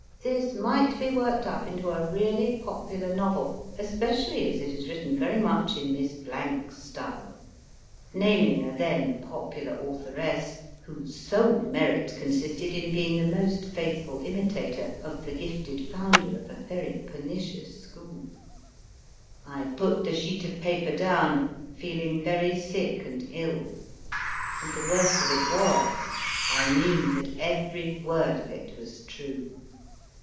This might be worked up into a really popular novel, especially as it is written very much in Miss s 250 MY FIRST BOOK style (naming a then popular authoress whose sole merit consisted in being the most faithful imitator of the gifted founder of a very pernicious school). I put the sheet of paper down, feeling very sick and ill. And the worst of it was, I knew that every word of it was true.